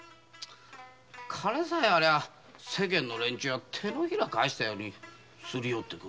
金さえあれば世間の連中は手のひら返したようにすり寄って来る。